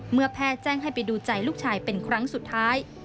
เมื่อแพทย์แจ้งให้ไปดูใจลูกชายเป็นครั้งสุดท้าย